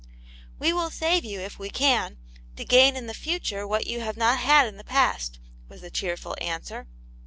"We will save you, if we can, to gain in the future what you have not had in the past," was the cheerful answer.